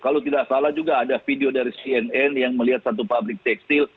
kalau tidak salah juga ada video dari cnn yang melihat satu pabrik tekstil